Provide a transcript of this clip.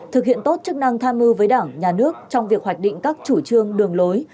thực hiện tốt chức năng tham mưu với đảng nhà nước trong việc hoạch định các chủ trương đường lối